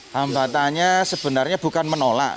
hambatannya sebenarnya bukan menolak